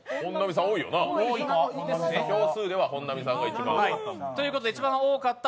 票数では本並さんが一番多かった。